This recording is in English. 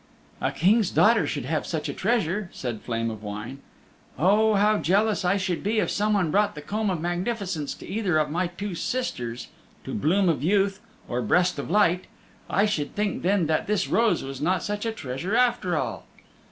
"A King's daughter should have such a treasure," said Flame of Wine. "Oh, how jealous I should be if someone brought the Comb of Magnificence to either of my two sisters to Bloom of Youth or Breast of Light. I should think then that this rose was not such a treasure after all."